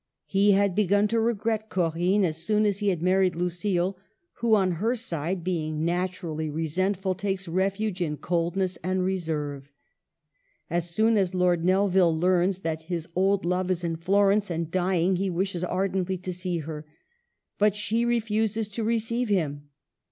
He had begun to regret Corinne as soon as he bad married Lucile, who, on her side, being naturally resentful, takes refuge in coldness and reserve. As soon as Lord Nelvil learns that his old love is in Florence and dying he wishes ardently to see her, but she refuses to receive him.